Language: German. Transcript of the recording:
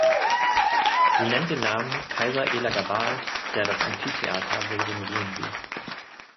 Sie nennt den Namen Kaiser Elagabals, der das Amphitheater wohl renovieren ließ.